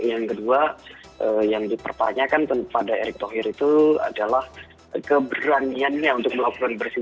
yang kedua yang dipertanyakan pada eric thauhir itu adalah keberaniannya untuk melakukan bersih bersih